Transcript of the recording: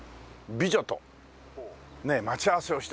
美女と待ち合わせをしてる。